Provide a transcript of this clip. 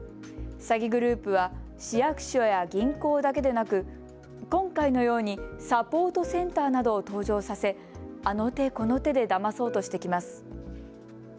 詐欺グループは市役所や銀行だけでなく今回のようにサポートセンターなどを登場させあの手この手で